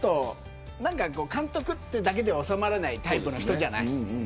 監督というだけでは収まらないタイプの人じゃない。